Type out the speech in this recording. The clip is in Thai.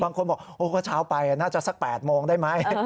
บางคนบอกโอ้ก็เช้าไปน่าจะสัก๘โมงได้ไหม